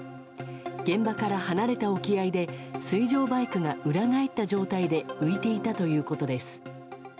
現場から離れた沖合で水上バイクが裏返った状態で浮いていたということです。